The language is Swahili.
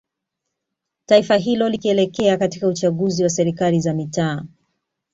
Taifa hilo likieleleea katika uchaguzi wa serikali za mitaaa